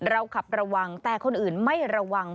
ขับระวังแต่คนอื่นไม่ระวัง